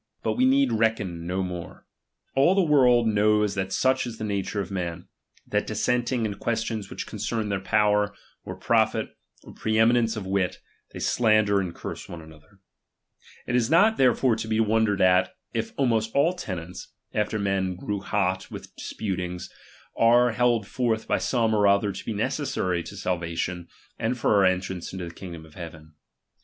But we need reckon no more. All the world knows that such is the nature of men, that dissent ing in questions which concern their potver, or profit, or pre eminence of wit, they slander and . curse each other. It is not therefore to he won^J RELIGION. 319 dered at, if almost all tenets, after men grew hot chap. xvii with disputings, are held forth by some or other ^^^^^^.^ to be necessary to salvation and for our entrance which this daj into the kingdom of heaven.